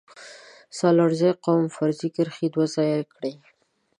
سلارزی قوم فرضي کرښې دوه ځايه کړي